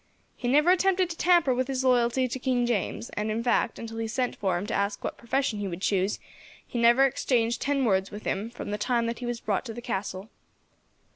He never attempted to tamper with his loyalty to King James, and in fact, until he sent for him to ask what profession he would choose, he never exchanged ten words with him, from the time that he was brought to the castle.